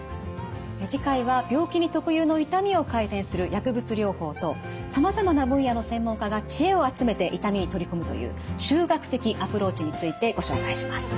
次回は病気に特有の痛みを改善する薬物療法とさまざまな分野の専門家が知恵を集めて痛みに取り組むという集学的アプローチについてご紹介します。